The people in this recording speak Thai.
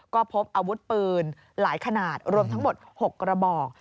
ก็พบอาวุธปืนหลายขนาดรวมทั้งหมด๖กระบอก